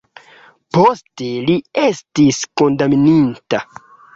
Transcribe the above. Poste li estis kondamnita.